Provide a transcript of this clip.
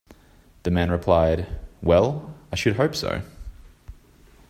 The man replied, Well I should hope so.